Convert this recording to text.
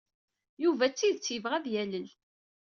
Yuba d tidet yebɣa ad yalel.